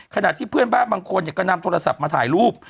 ขณะที่เพื่อนบ้านบางคนก็นำโทรศัพท์มาถ่ายรูป